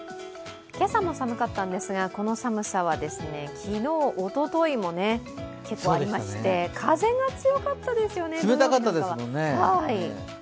今朝も寒かったんですがこの寒さは昨日、おとといも結構ありまして風が強かったですよね。